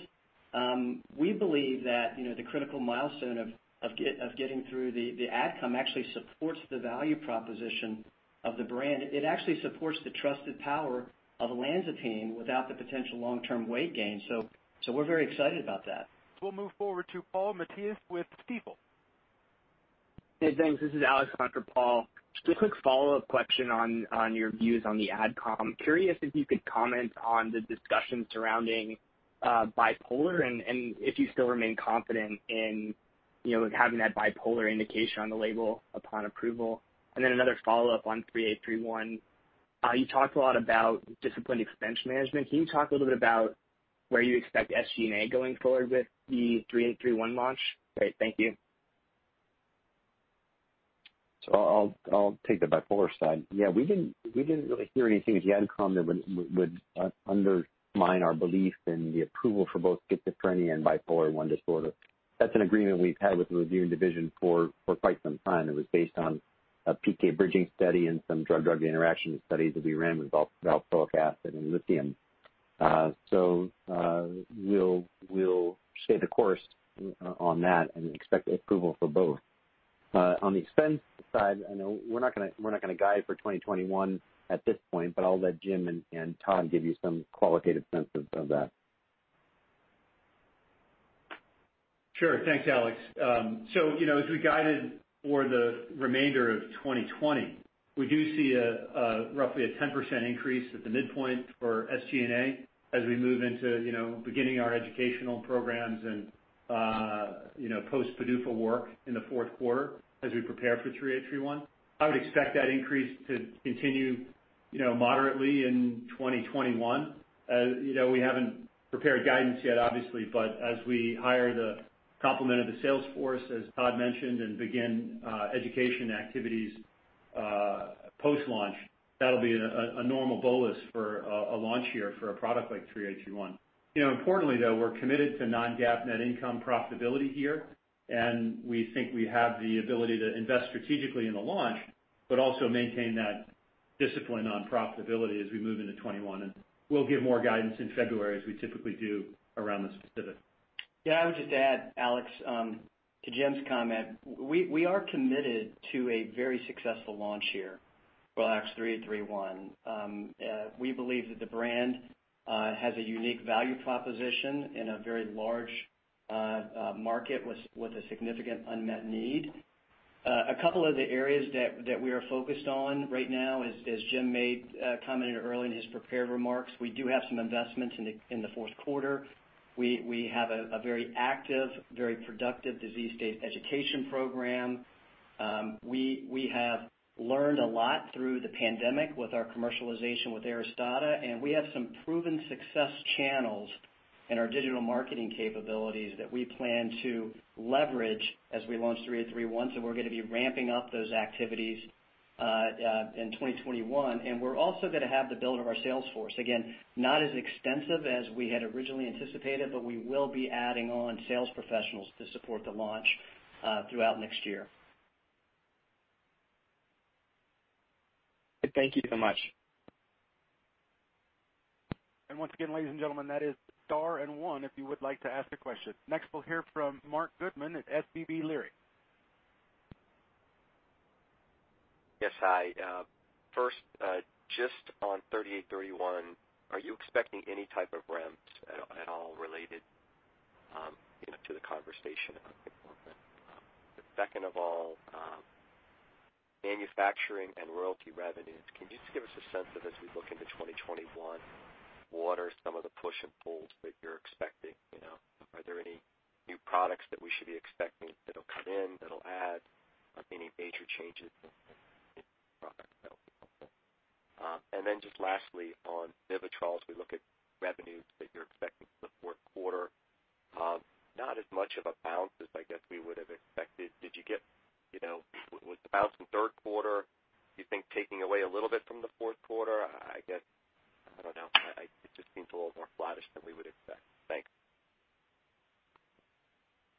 We believe that the critical milestone of getting through the AdCom actually supports the value proposition of the brand. It actually supports the trusted power of olanzapine without the potential long-term weight gain. We're very excited about that. We'll move forward to Paul Matteis with Stifel. Hey, thanks. This is Alexander, Paul. Just a quick follow-up question on your views on the AdCom. Curious if you could comment on the discussions surrounding bipolar and if you still remain confident in having that bipolar indication on the label upon approval. Then another follow-up on 3831. You talked a lot about disciplined expense management. Can you talk a little bit about where you expect SG&A going forward with the 3831 launch? Great. Thank you. I'll take the bipolar side. Yeah, we didn't really hear anything at the AdCom that would undermine our belief in the approval for both schizophrenia and bipolar I disorder. That's an agreement we've had with the reviewing division for quite some time. It was based on a PK bridging study and some drug-drug interaction studies that we ran with valproic acid and lithium. We'll stay the course on that and expect approval for both. On the expense side, we're not going to guide for 2021 at this point, but I'll let Jim and Todd give you some qualitative sense of that. Sure. Thanks, Alex. As we guided for the remainder of 2020, we do see roughly a 10% increase at the midpoint for SG&A as we move into beginning our educational programs and post PDUFA work in the fourth quarter as we prepare for 3831. I would expect that increase to continue moderately in 2021. We haven't prepared guidance yet, obviously, but as we hire the complement of the sales force, as Todd mentioned, and begin education activities post-launch, that'll be a normal bolus for a launch year for a product like 3831. Importantly, though, we're committed to non-GAAP net income profitability here, and we think we have the ability to invest strategically in the launch, but also maintain that discipline on profitability as we move into 2021. We'll give more guidance in February as we typically do around the specific. Yeah, I would just add, Alex, to Jim's comment, we are committed to a very successful launch here for ALKS 3831. We believe that the brand has a unique value proposition in a very large market with a significant unmet need. A couple of the areas that we are focused on right now, as Jim commented earlier in his prepared remarks, we do have some investments in the fourth quarter. We have a very active, very productive disease state education program. We have learned a lot through the pandemic with our commercialization with ARISTADA, and we have some proven success channels in our digital marketing capabilities that we plan to leverage as we launch 3831. We're going to be ramping up those activities in 2021. We're also going to have the build of our sales force. Again, not as extensive as we had originally anticipated, but we will be adding on sales professionals to support the launch throughout next year. Thank you so much. Once again, ladies and gentlemen, that is star and one if you would like to ask a question. Next we'll hear from Marc Goodman at SVB Leerink. Yes, hi. First, just on 3831, are you expecting any type of ramps at all related to the conversation on Q4? Second of all, manufacturing and royalty revenues. Can you just give us a sense of as we look into 2021, what are some of the push and pulls that you're expecting? Are there any new products that we should be expecting that'll come in, that'll add any major changes in product? That would be helpful. Just lastly, on VIVITROL, as we look at revenues that you're expecting for the fourth quarter, not as much of a bounce as I guess we would have expected. With the bounce in third quarter, do you think taking away a little bit from the fourth quarter? I don't know. It just seems a little more flattish than we would expect. Thanks.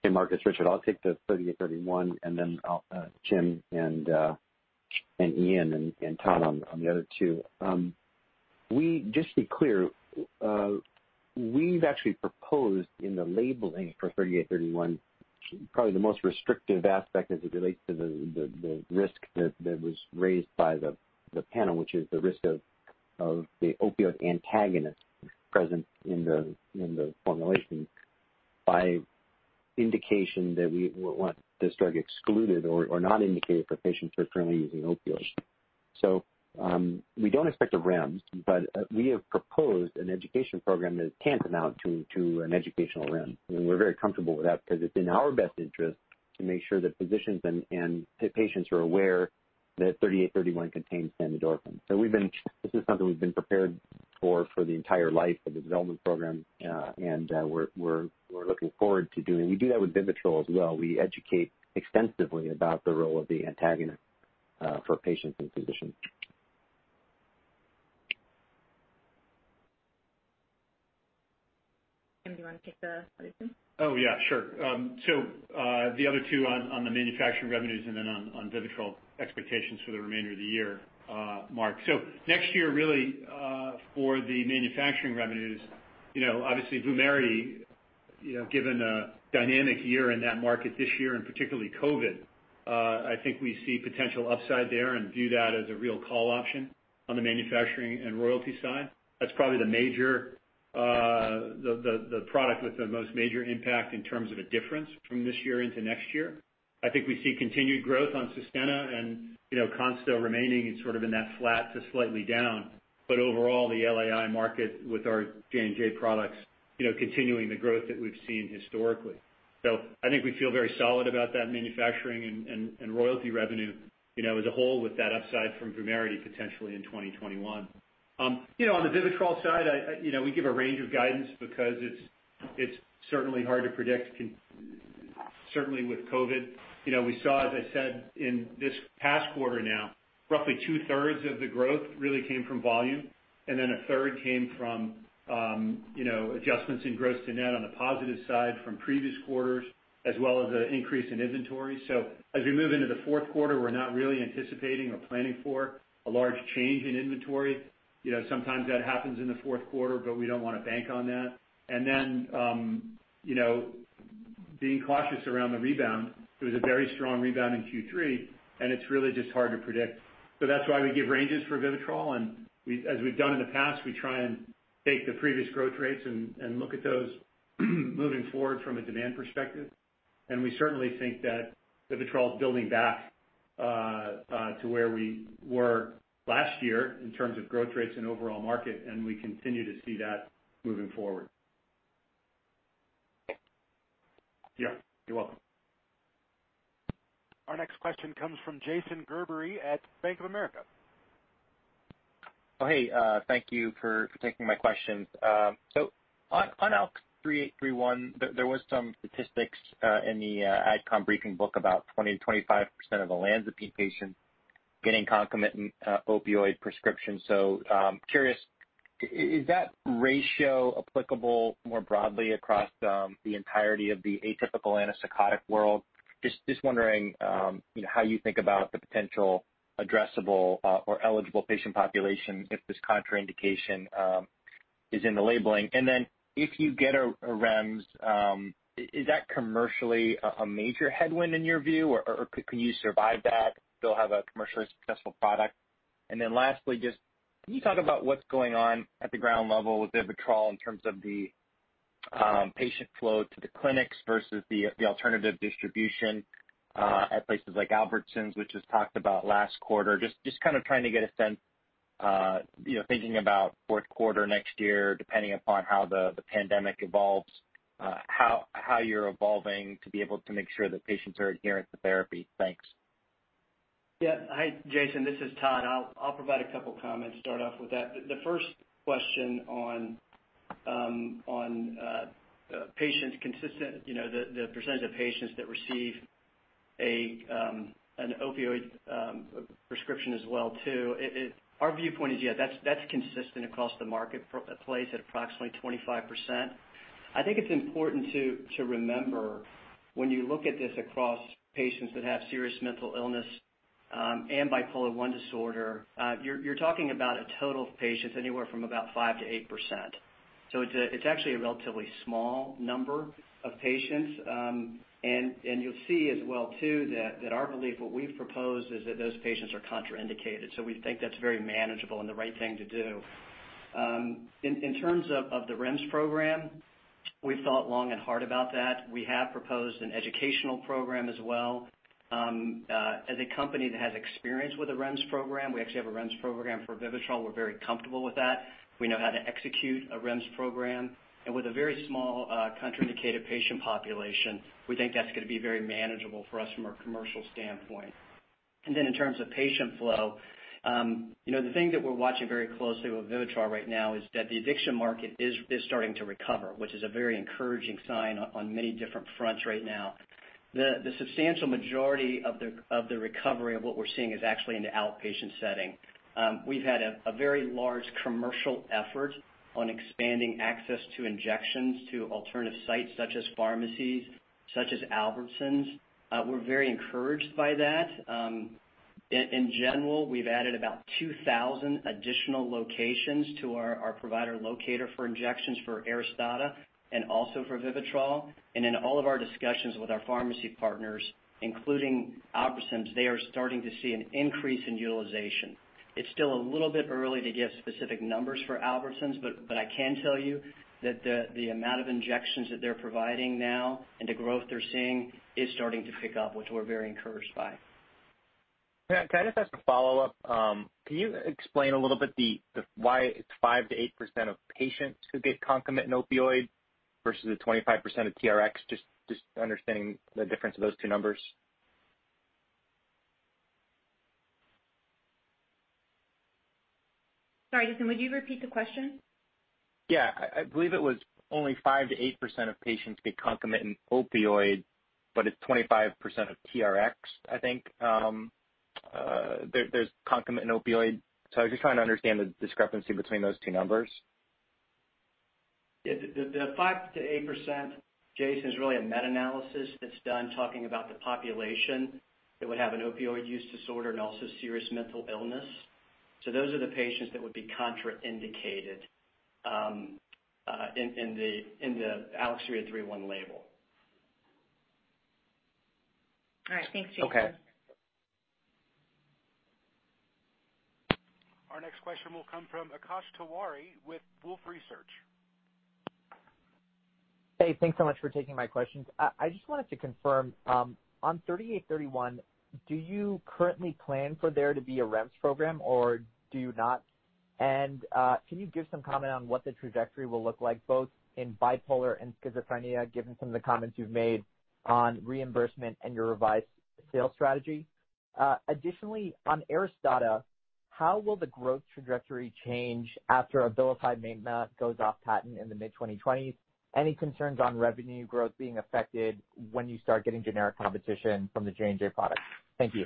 Hey, Marc, it's Richard. I'll take the 3831, Jim and Iain and Todd on the other two. Just to be clear, we've actually proposed in the labeling for 3831 probably the most restrictive aspect as it relates to the risk that was raised by the panel, which is the risk of the opioid antagonist present in the formulation by indication that we would want this drug excluded or not indicated for patients who are currently using opioids. We don't expect a REMS, but we have proposed an education program that's tantamount to an educational REMS. We're very comfortable with that because it's in our best interest to make sure that physicians and patients are aware that 3831 contains samidorphan. This is something we've been prepared for the entire life of the development program. We're looking forward to doing. We do that with VIVITROL as well. We educate extensively about the role of the antagonist for patients and physicians. Jim, do you want to take the other two? Oh, yeah. Sure. The other two on the manufacturing revenues, and then on VIVITROL expectations for the remainder of the year, Marc. Next year, really, for the manufacturing revenues, obviously, VUMERITY, given a dynamic year in that market this year, and particularly COVID, I think we see potential upside there and view that as a real call option on the manufacturing and royalty side. That's probably the product with the most major impact in terms of a difference from this year into next year. I think we see continued growth on Sustenna and Consta remaining sort of in that flat to slightly down. Overall, the LAI market with our J&J products continuing the growth that we've seen historically. I think we feel very solid about that manufacturing and royalty revenue as a whole with that upside from VUMERITY potentially in 2021. On the VIVITROL side, we give a range of guidance because it's certainly hard to predict, certainly with COVID. We saw, as I said, in this past quarter now, roughly two-thirds of the growth really came from volume, and then a third came from adjustments in gross to net on the positive side from previous quarters, as well as an increase in inventory. As we move into the fourth quarter, we're not really anticipating or planning for a large change in inventory. Sometimes that happens in the fourth quarter, we don't want to bank on that. Being cautious around the rebound, it was a very strong rebound in Q3, and it's really just hard to predict. That's why we give ranges for VIVITROL. As we've done in the past, we try and take the previous growth rates and look at those moving forward from a demand perspective. We certainly think that VIVITROL is building back to where we were last year in terms of growth rates and overall market, and we continue to see that moving forward. Yeah. You're welcome. Our next question comes from Jason Gerberry at Bank of America. Hey, thank you for taking my questions. On ALKS 3831, there was some statistics in the AdCom briefing book about 20%-25% of olanzapine patients getting concomitant opioid prescription. Curious, is that ratio applicable more broadly across the entirety of the atypical antipsychotic world? Just wondering how you think about the potential addressable or eligible patient population if this contraindication is in the labeling. If you get a REMS, is that commercially a major headwind in your view, or can you survive that, still have a commercially successful product? Lastly, just can you talk about what's going on at the ground level with VIVITROL in terms of the patient flow to the clinics versus the alternative distribution at places like Albertsons, which was talked about last quarter? Just kind of trying to get a sense, thinking about fourth quarter next year, depending upon how the pandemic evolves, how you're evolving to be able to make sure that patients are adherent to therapy. Thanks. Yeah. Hi, Jason. This is Todd. I'll provide a couple comments to start off with that. The first question on patients consistent, the percentage of patients that receive an opioid prescription as well, too. Our viewpoint is, yeah, that's consistent across the marketplace at approximately 25%. I think it's important to remember when you look at this across patients that have serious mental illness and bipolar I disorder, you're talking about a total of patients anywhere from about 5%-8%. It's actually a relatively small number of patients. You'll see as well too, that our belief, what we've proposed is that those patients are contraindicated. We think that's very manageable and the right thing to do. In terms of the REMS program, we've thought long and hard about that. We have proposed an educational program as well. As a company that has experience with a REMS program, we actually have a REMS program for VIVITROL. We're very comfortable with that. We know how to execute a REMS program. With a very small contraindicated patient population, we think that's going to be very manageable for us from a commercial standpoint. In terms of patient flow, the thing that we're watching very closely with VIVITROL right now is that the addiction market is starting to recover, which is a very encouraging sign on many different fronts right now. The substantial majority of the recovery of what we're seeing is actually in the outpatient setting. We've had a very large commercial effort on expanding access to injections to alternative sites such as pharmacies, such as Albertsons. We're very encouraged by that. In general, we've added about 2,000 additional locations to our provider locator for injections for ARISTADA, and also for VIVITROL. In all of our discussions with our pharmacy partners, including Albertsons, they are starting to see an increase in utilization. It's still a little bit early to give specific numbers for Albertsons, but I can tell you that the amount of injections that they're providing now and the growth they're seeing is starting to pick up, which we're very encouraged by. Can I just ask a follow-up? Can you explain a little bit why it's 5%-8% of patients who get concomitant opioid versus the 25% of TRxs? Just understanding the difference of those two numbers. Sorry, Jason, would you repeat the question? Yeah. I believe it was only 5%-8% of patients get concomitant opioid, but it's 25% of TRxs, I think. There's concomitant opioid. I was just trying to understand the discrepancy between those two numbers. Yeah. The 5%-8%, Jason, is really a meta-analysis that's done talking about the population that would have an opioid use disorder and also serious mental illness. Those are the patients that would be contraindicated in the ALKS 3831 label. All right. Thanks, Jason. Okay. Our next question will come from Akash Tewari with Wolfe Research. Hey, thanks so much for taking my questions. I just wanted to confirm, on 3831, do you currently plan for there to be a REMS program or do you not? Can you give some comment on what the trajectory will look like both in bipolar and schizophrenia, given some of the comments you've made on reimbursement and your revised sales strategy? Additionally, on ARISTADA, how will the growth trajectory change after Abilify Maintena goes off patent in the mid-2020s? Any concerns on revenue growth being affected when you start getting generic competition from the J&J product? Thank you.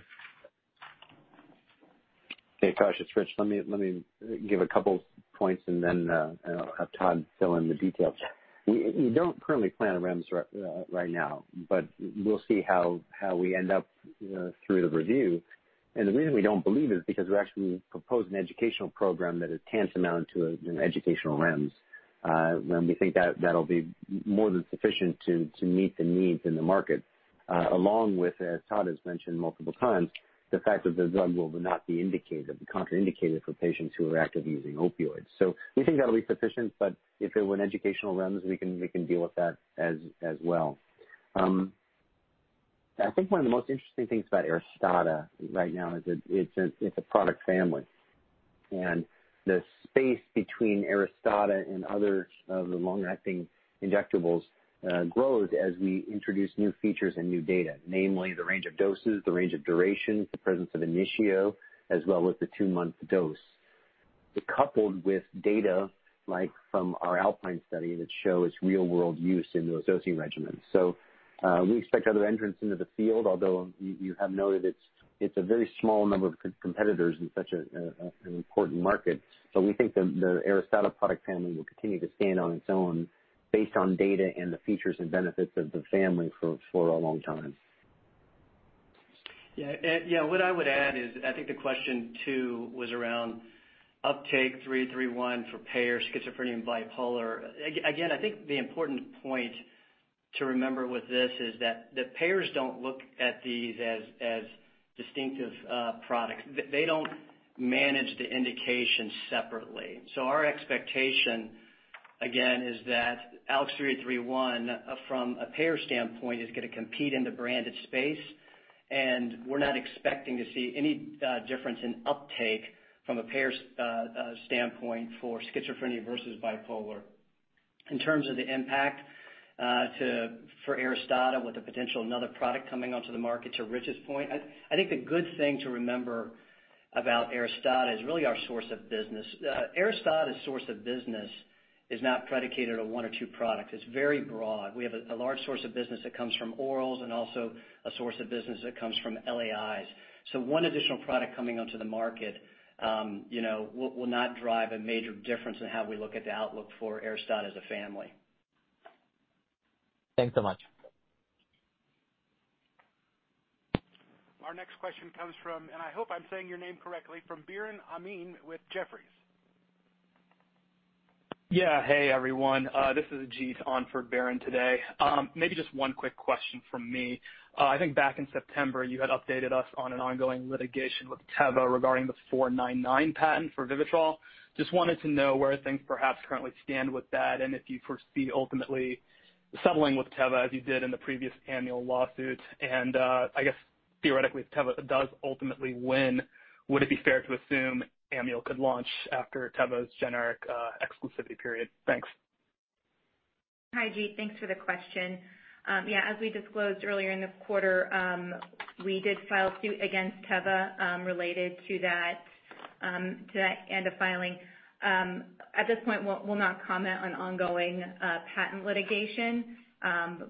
Hey, Akash, it's Rich. Let me give a couple points and then I'll have Todd fill in the details. We don't currently plan a REMS right now, but we'll see how we end up through the review. The reason we don't believe is because we actually proposed an educational program that is tantamount to an educational REMS. We think that'll be more than sufficient to meet the needs in the market. Along with, as Todd has mentioned multiple times, the fact that the drug will not be indicated, be contraindicated for patients who are actively using opioids. We think that'll be sufficient, but if it were an educational REMS, we can deal with that as well. I think one of the most interesting things about ARISTADA right now is it's a product family. The space between ARISTADA and other of the long-acting injectables grows as we introduce new features and new data, namely the range of doses, the range of durations, the presence of INITIO, as well as the two-month dose. Coupled with data like from our ALPINE study that show its real-world use in those dosing regimens. We expect other entrants into the field, although you have noted it's a very small number of competitors in such an important market. We think the ARISTADA product family will continue to stand on its own based on data and the features and benefits of the family for a long time. What I would add is, I think the question two was around uptake ALKS 3831 for payers, schizophrenia and bipolar. I think the important point to remember with this is that payers don't look at these as distinctive products. They don't manage the indications separately. Our expectation, again, is that ALKS 3831 from a payer standpoint is going to compete in the branded space. We're not expecting to see any difference in uptake from a payer standpoint for schizophrenia versus bipolar. In terms of the impact for ARISTADA with the potential another product coming onto the market, to Rich's point, I think the good thing to remember about ARISTADA is really our source of business. ARISTADA's source of business is not predicated on one or two products. It's very broad. We have a large source of business that comes from orals and also a source of business that comes from LAIs. One additional product coming onto the market will not drive a major difference in how we look at the outlook for ARISTADA as a family. Thanks so much. Our next question comes from, and I hope I'm saying your name correctly, from Biren Amin with Jefferies. Hey, everyone. This is Jeet on for Biren today. Maybe just one quick question from me. I think back in September, you had updated us on an ongoing litigation with Teva regarding the '499 patent for VIVITROL. Just wanted to know where things perhaps currently stand with that, and if you foresee ultimately settling with Teva as you did in the previous Amneal lawsuit. I guess theoretically, if Teva does ultimately win, would it be fair to assume Amneal could launch after Teva's generic exclusivity period? Thanks. Hi, Jeet. Thanks for the question. As we disclosed earlier in the quarter, we did file suit against Teva related to that end of filing. At this point, we'll not comment on ongoing patent litigation,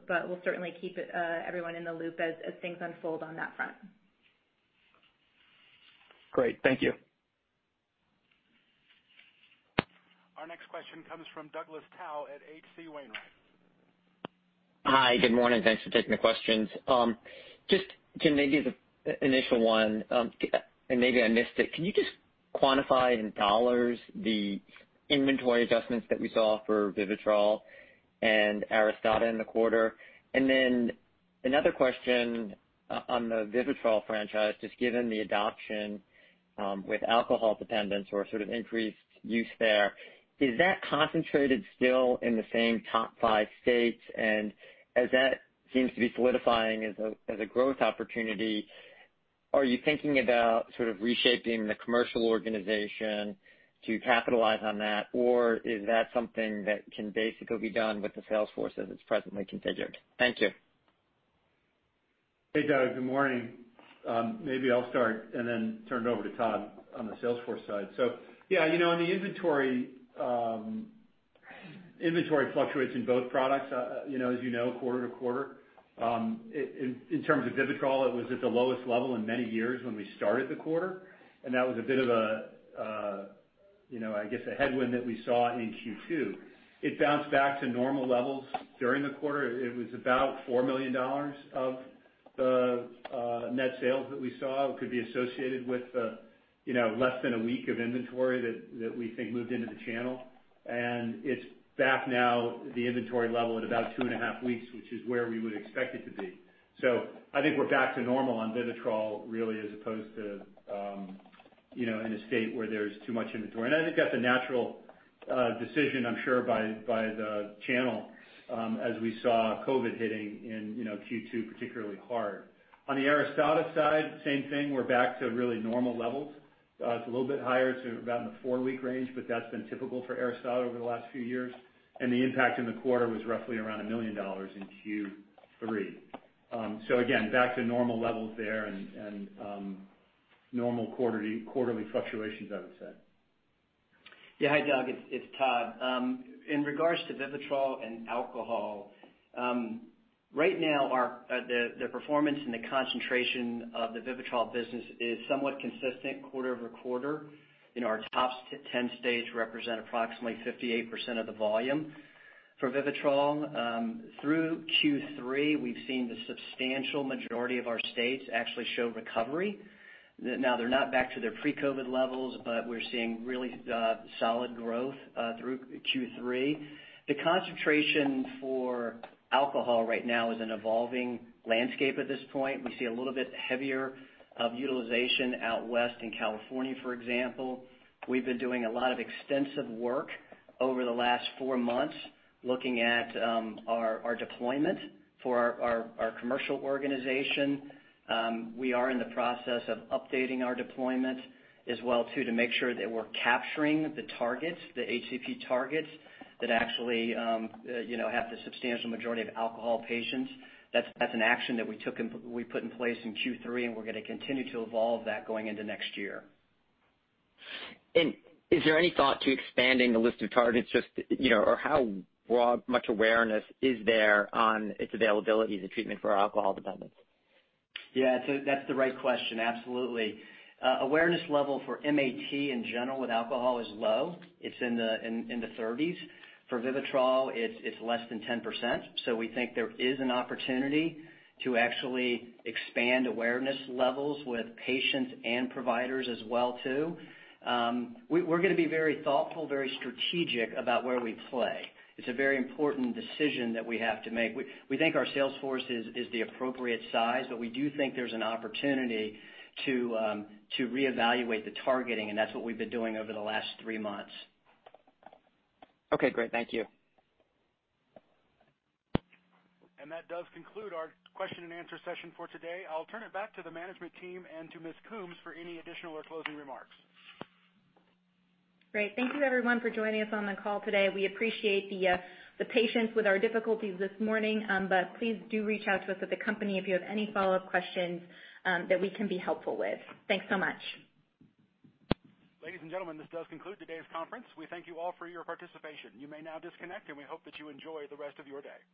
but we'll certainly keep everyone in the loop as things unfold on that front. Great. Thank you. Question comes from Douglas Tsao at H.C. Wainwright. Hi. Good morning. Thanks for taking the questions. Just to maybe the initial one, and maybe I missed it, can you just quantify in dollars the inventory adjustments that we saw for VIVITROL and ARISTADA in the quarter? Another question on the VIVITROL franchise, just given the adoption, with alcohol dependence or sort of increased use there, is that concentrated still in the same top five states? As that seems to be solidifying as a growth opportunity, are you thinking about sort of reshaping the commercial organization to capitalize on that, or is that something that can basically be done with the salesforce as it's presently configured? Thank you. Hey, Doug. Good morning. Maybe I'll start and then turn it over to Todd on the salesforce side. Yeah, in the inventory fluctuations, both products as you know quarter to quarter. In terms of VIVITROL, it was at the lowest level in many years when we started the quarter, that was a bit of, I guess, a headwind that we saw in Q2. It bounced back to normal levels during the quarter. It was about $4 million of the net sales that we saw could be associated with less than a week of inventory that we think moved into the channel. It's back now at the inventory level at about two and a half weeks, which is where we would expect it to be. I think we're back to normal on VIVITROL, really, as opposed to in a state where there's too much inventory. I think that's a natural decision, I'm sure by the channel, as we saw COVID hitting in Q2 particularly hard. On the ARISTADA side, same thing. We're back to really normal levels. It's a little bit higher to around the four week range, but that's been typical for ARISTADA over the last few years, and the impact in the quarter was roughly around $1 million in Q3. Again, back to normal levels there and normal quarterly fluctuations, I would say. Yeah. Hi, Doug, it's Todd. In regards to VIVITROL and alcohol. Right now, the performance and the concentration of the VIVITROL business is somewhat consistent quarter-over-quarter in our top 10 states represent approximately 58% of the volume for VIVITROL. Through Q3, we've seen the substantial majority of our states actually show recovery. They're not back to their pre-COVID levels, but we're seeing really solid growth through Q3. The concentration for alcohol right now is an evolving landscape at this point. We see a little bit heavier utilization out west in California, for example. We've been doing a lot of extensive work over the last four months looking at our deployment for our commercial organization. We are in the process of updating our deployment as well too, to make sure that we're capturing the targets, the HCP targets that actually have the substantial majority of alcohol patients. That's an action that we put in place in Q3, and we're going to continue to evolve that going into next year. Is there any thought to expanding the list of targets? Or how much awareness is there on its availability as a treatment for our alcohol dependence? Yeah, that's the right question, absolutely. Awareness level for MAT in general with alcohol is low. It's in the 30s. For VIVITROL, it's less than 10%. We think there is an opportunity to actually expand awareness levels with patients and providers as well too. We're going to be very thoughtful, very strategic about where we play. It's a very important decision that we have to make. We think our salesforce is the appropriate size, we do think there's an opportunity to reevaluate the targeting, and that's what we've been doing over the last three months. Okay, great. Thank you. That does conclude our question and answer session for today. I will turn it back to the management team and to Ms. Coombs for any additional or closing remarks. Great. Thank you everyone for joining us on the call today. We appreciate the patience with our difficulties this morning. Please do reach out to us at the company if you have any follow-up questions that we can be helpful with. Thanks so much. Ladies and gentlemen, this does conclude today's conference. We thank you all for your participation. You may now disconnect, and we hope that you enjoy the rest of your day.